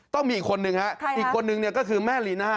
ต้องมีอีกคนนึงครับอีกคนนึงก็คือแม่รีน่า